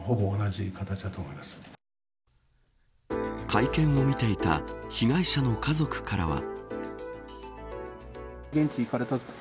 会見を見ていた被害者の家族からは。